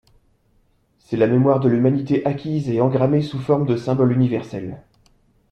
C'est la mémoire de l'humanité acquise et engrammée sous forme de symboles universels.